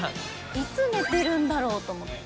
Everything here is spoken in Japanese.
い寝てるんだろう？と思って。